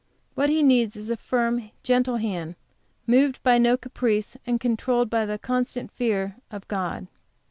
What he needs is a firm, gentle hand, moved by no caprice, and controlled by the constant fear of God.